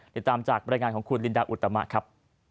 ติดตามจากบรรยายงานของคุณลินดาอุตมะครับ